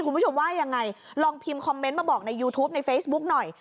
คุณผู้ชมว่ายังไงลองพิมพ์คอมเมนต์มาบอกในยูทูปในเฟซบุ๊กหน่อย